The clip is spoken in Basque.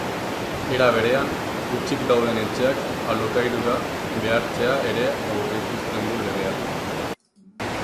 Era berean, hutsik dauden etxeak alokairura behartzea ere aurreikusten du legeak.